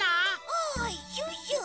あシュッシュ！